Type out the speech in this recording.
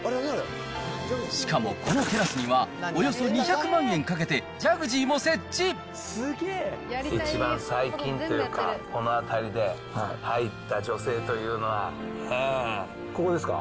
しかもこのテラスにはおよそ２００万円かけて、ジャグジーも設置一番最近というか、このあたりで、ここですか？